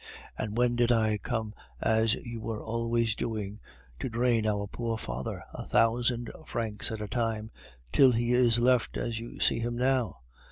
And when did I come, as you were always doing, to drain our poor father, a thousand francs at a time, till he is left as you see him now?